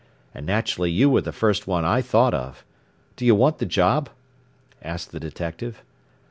And naturally you were the first one I thought of. Do you want the job?" asked the detective.